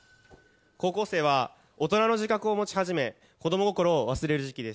高校生は大人の自覚を持ち始め子ども心を忘れる時期です。